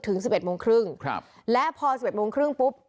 สิบเอ็ดโมงครึ่งครับและพอสิบเอ็ดโมงครึ่งปุ๊บ